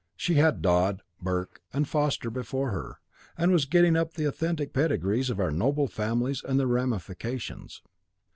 She had Dod, Burke, and Foster before her, and was getting up the authentic pedigrees of our noble families and their ramifications.